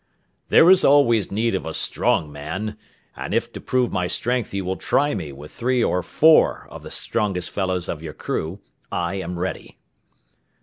"There is always need of a strong man, and if to prove my strength you will try me with three or four of the strongest fellows of your crew, I am ready."